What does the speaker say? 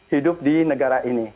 hidup di negara ini